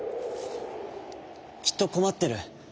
きっとこまってる。